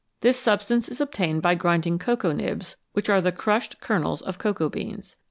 This substance is obtained by grinding cocoa nibs, which are the crushed kernels of cocoa beans.